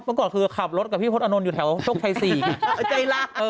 เมื่อก่อนคือขับรถกับพี่พลตอานนท์อยู่แถวโชคชัย๔ไง